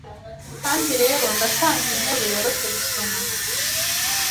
Kandi rero ndatanga iyi nteruro yoroshye gusoma